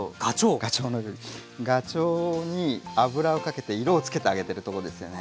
ガチョウに油をかけて色を付けてあげてるところですよね。